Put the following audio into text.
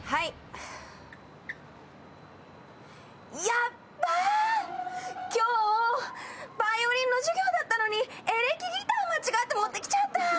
やっばー、今日、バイオリンの授業だったのにエレキギター間違って持って来ちゃった。